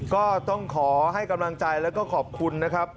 ก็ต้องขอให้กำลังใจแล้วก็ขอบคุณนะครับ